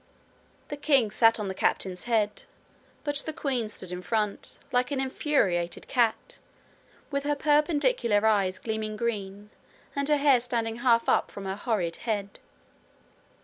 The king sat on the captain's head, but the queen stood in front, like an infuriated cat, with her perpendicular eyes gleaming green, and her hair standing half up from her horrid head.